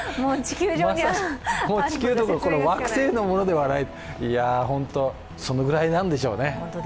地球どころか、この惑星のものではないいや、本当にそのぐらいなんでしょうね。